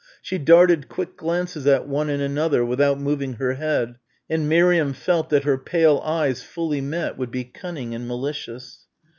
She darted quick glances at one and another without moving her head, and Miriam felt that her pale eyes fully met would be cunning and malicious.